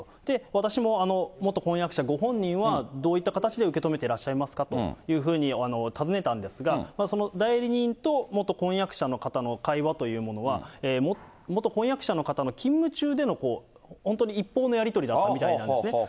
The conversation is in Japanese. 私も、元婚約者ご本人は、どういった形で受け止めていらっしゃいますかというふうに尋ねたんですが、その代理人と元婚約者の方の会話というのは、元婚約者の方の勤務中での本当に一方のやり取りみたいだったんですね。